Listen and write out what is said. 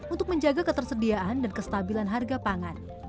untuk menjaga ketersediaan dan kestabilan harga pangan